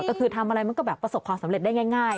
ก็คือทำอะไรมันก็แบบประสบความสำเร็จได้ง่าย